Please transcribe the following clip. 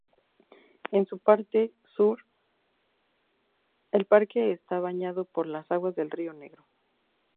En su parte sur, el parque está bañado por las aguas del río Negro.